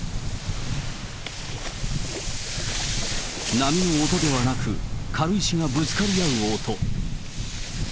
波の音ではなく、軽石がぶつかり合う音。